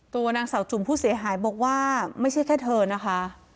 ตัวนางสาวจุ่มผู้เสียหายบอกว่าไม่ใช่แค่เธอนะคะ